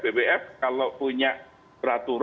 bwf kalau punya peraturan